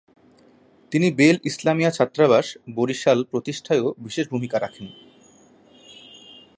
তিনি বেল ইসলামিয়া ছাত্রাবাস, বরিশাল প্রতিষ্ঠায়ও বিশেষ ভুমিকা রাখেন।